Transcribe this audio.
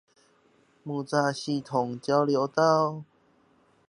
木柵系統交流道